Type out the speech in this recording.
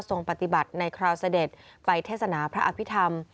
ปฏิบัติในคราวเสด็จไปเทศนาพระอภิษฐรรม